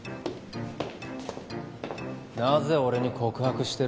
なぜ俺に告白してる？